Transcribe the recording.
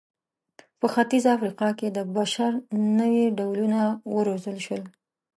په ختیځه افریقا کې د بشر نوي ډولونه وروزل شول.